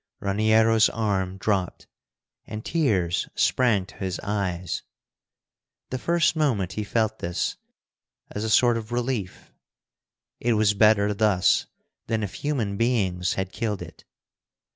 Raniero's arm dropped, and tears sprang to his eyes. The first moment he felt this as a sort of relief. It was better thus than if human beings had killed it.